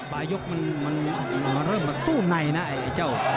ปลายยกมันเริ่มมาสู้ในนะไอ้เจ้า